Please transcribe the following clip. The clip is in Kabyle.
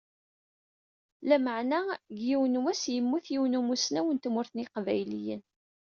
Lameεna, deg yiwen n wass, yemmut yiwen n umussnaw n tmurt n Yiqbayliyen.